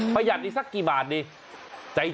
ประหยัดนี่สักกี่บาทนี่